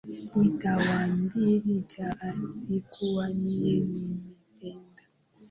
Nitamwambiaje eti kuwa miye nimempenda